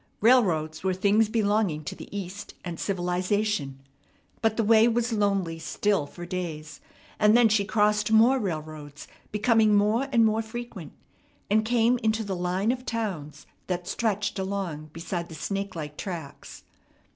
Railroads were things belonging to the East and civilization. But the way was lonely still for days, and then she crossed more railroads, becoming more and more frequent, and came into the line of towns that stretched along beside the snake like tracks.